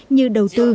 như đầu tư